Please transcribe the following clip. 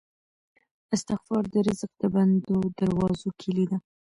استغفار د رزق د بندو دروازو کیلي ده.